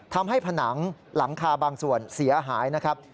ผนังหลังคาบางส่วนเสียหายนะครับ